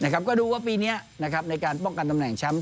ก็ดูว่าปีนี้ในการป้องกันตำแหน่งแชมป์